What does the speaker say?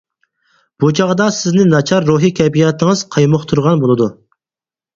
بۇ چاغدا سىزنى ناچار روھىي كەيپىياتىڭىز قايمۇقتۇرغان بولىدۇ.